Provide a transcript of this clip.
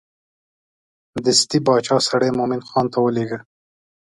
دستې باچا سړی مومن خان ته راولېږه.